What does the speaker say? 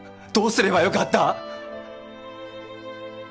どうすればよかった？